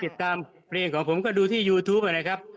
ติดตามเพลงของผมก็ดูที่ยูทูปนะครับ